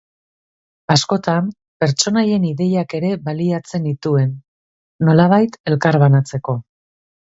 Askotan, pertsonaien ideiak ere baliatzen nituen, nolabait elkarbanatzeko.